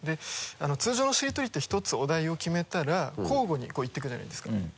通常のしりとりって１つお題を決めたら交互にこう言っていくじゃないですか。